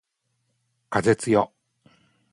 風つよ